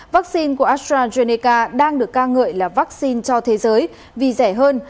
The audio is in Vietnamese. vaccine của astrazeneca đang được ca ngợi là vaccine cho thế giới vì rẻ hơn